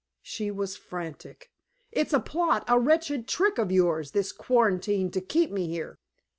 She was frantic. "It's a plot, a wretched trick of yours, this quarantine, to keep me here."